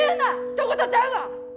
ひと事ちゃうわ！